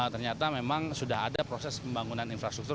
ternyata memang sudah ada proses pembangunan infrastruktur